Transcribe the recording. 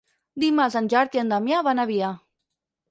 Dimarts en Gerard i en Damià van a Avià.